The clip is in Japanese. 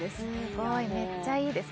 すごいめっちゃいいです